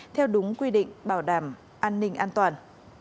theo đúng quy định bảo đảm an ninh an toàn